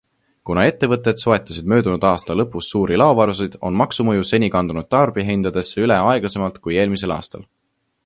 Kuna ettevõtted soetasid möödunud aasta lõpus suuri laovarusid, on maksumõju seni kandunud tarbijahindadesse üle aeglasemalt kui eelmisel aastal.